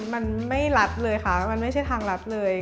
มันไม่รัดเลยค่ะมันไม่ใช่ทางรัฐเลย